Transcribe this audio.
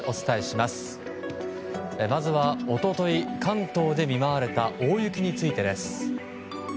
まずは一昨日、関東で見舞われた大雪についてです。